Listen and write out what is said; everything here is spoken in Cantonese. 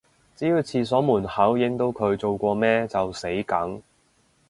只要廁所門口影到佢做過咩就死梗